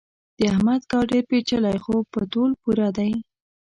د احمد کار ډېر پېچلی خو په تول پوره دی.